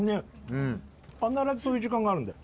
必ずそういう時間があるんだよ。